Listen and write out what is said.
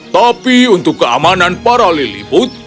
tapi untuk keamanan para liliput